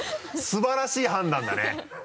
素晴らしい判断だね。